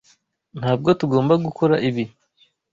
Ntabwo tugomba gukora ibi.